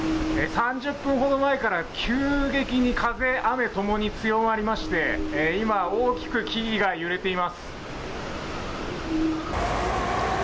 ３０分ほど前から急激に風、雨共に強まりまして今、大きく木々が揺れています。